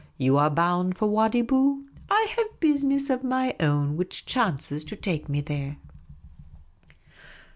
You are bound for Wadi Bou ; I have business of my own which chances to take me there."